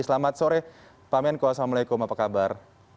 selamat sore pak menko assalamualaikum apa kabar